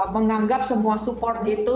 menganggap semua support itu